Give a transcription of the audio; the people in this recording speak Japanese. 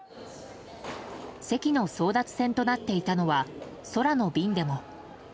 席の争奪戦となっていたのは空の便でも。